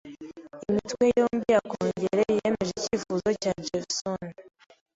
Imitwe yombi ya Kongere yemeje icyifuzo cya Jefferson.